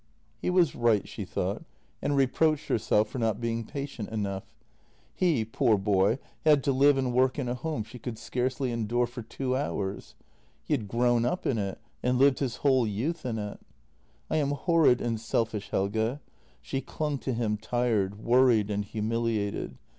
" He was right, she thought, and reproached herself for not being patient enough. He, poor boy, had to live and work in a home she could scarcely endure for two hours. He had grown up in it and lived his whole youth in it. " I am horrid and selfish, Helge." She clung to him, tired, worried, and humiliated.